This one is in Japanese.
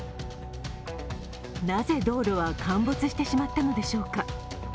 なぜ道路は陥没してしまったのでしょうか。